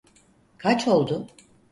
Kaç oldu?